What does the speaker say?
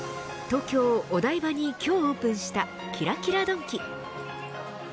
東京、お台場に今日オープンしたキラキラドンキ。